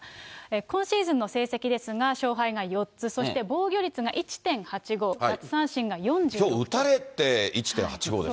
今シーズンの成績ですが、勝敗が４つ、そして防御率が１．８５、きょう打たれて１．８５です